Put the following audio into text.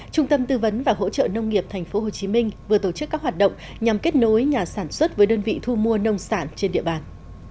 trung tâm tư vấn và hỗ trợ nông nghiệp tp hcm vừa tổ chức các hoạt động nhằm kết nối nhà sản xuất với đơn vị thu mua nông sản trên địa bàn